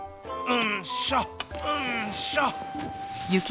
うんしょ！